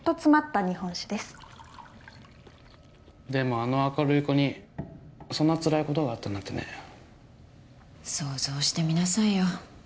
あの明るい子にそんなつらいことがあったなんてね想像してみなさいよ